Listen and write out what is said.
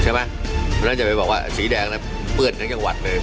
ใช่ไหมมันน่าจะไปบอกว่าสีแดงนั้นเปื้อนทั้งจังหวัดเลย